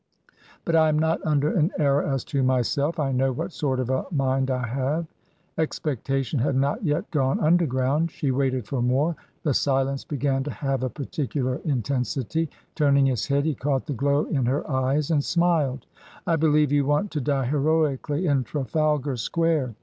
" But I am not under an error as to myself. I know what sort of a mind I have." Expectation had not yet gone underground; she waited for more. The silence began to have a partic ular intensity. Turning his head he caught the glow in her eyes and smiled. "I believe you want to die heroically in Trafalgar Square